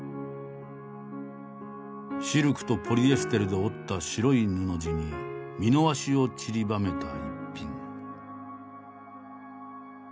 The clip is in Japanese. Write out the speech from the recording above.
シルクとポリエステルで織った白い布地に美濃和紙をちりばめた逸品。